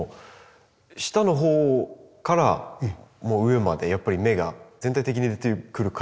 下の方から上までやっぱり芽が全体的に出てくる感じですか？